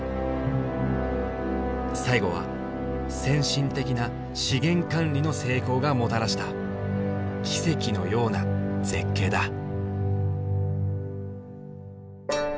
最後は先進的な資源管理の成功がもたらした奇跡のような絶景だ。